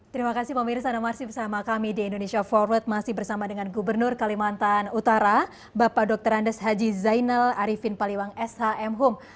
terima kasih pemirsa dan masih bersama kami di indonesia forward masih bersama dengan gubernur kalimantan utara bapak dr andes haji zainal arifin paliwang shmhum